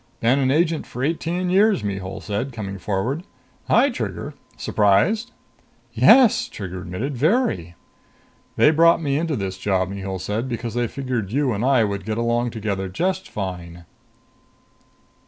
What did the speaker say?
"Been an agent for eighteen years," Mihul said, coming forward. "Hi, Trigger, surprised?" "Yes," Trigger admitted. "Very." "They brought me into this job," Mihul said, "because they figured you and I would get along together just fine."